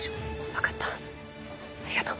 分かったありがとう。